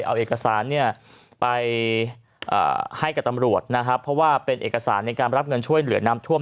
เอาเอกสารเนี่ยไปให้กับตำรวจนะครับเพราะว่าเป็นเอกสารในการรับเงินช่วยเหลือนำท่วม